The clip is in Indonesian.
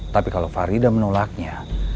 tapi kalau farida menolaknya